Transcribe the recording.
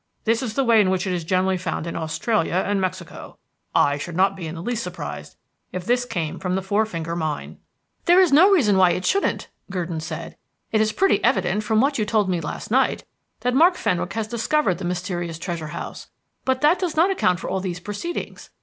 This is the way in which it is generally found in Australia and Mexico. I should not be in the least surprised if this came from the Four Finger Mine." "There is no reason why it shouldn't," Gurdon said. "It is pretty evident, from what you told me last night, that Mark Fenwick has discovered the mysterious treasure house, but that does not account for all these proceedings.